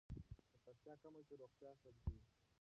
که ککړتیا کمه شي، روغتیا ښه کېږي.